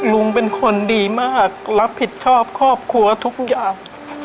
ลุงเป็นคนดีมากรับผิดชอบครอบครัวทุกอย่าง